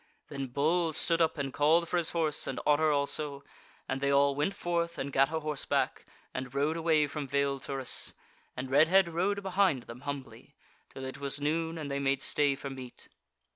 Then Bull stood up and called for his horse, and Otter also, and they all went forth and gat a horseback and rode away from Vale Turris, and Redhead rode behind them humbly, till it was noon and they made stay for meat.